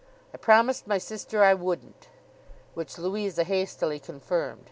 'I promised my sister I wouldn't.' Which Louisa hastily confirmed.